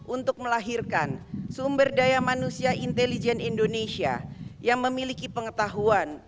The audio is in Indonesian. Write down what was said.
untuk melahirkan sumber daya manusia intelijen indonesia yang memiliki pengetahuan